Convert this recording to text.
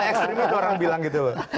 ekstrim itu orang bilang gitu loh